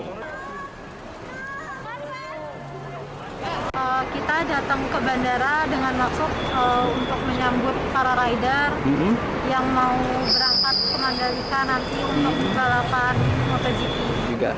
kita datang ke bandara dengan maksud untuk menyambut para rider yang mau berangkat ke mandalika nanti untuk balapan motogp